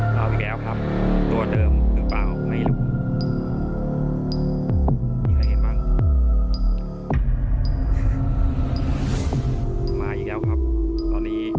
มาอีกแล้วครับมาตอนนี้ถึงสะพาน